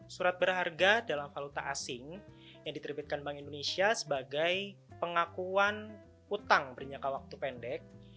surat berharga dalam valuta asing yang diterbitkan bank indonesia sebagai pengakuan utang bernyangka waktu pendek